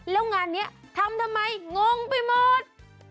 แล้วงานนี้ทำทำไมงงไปหมด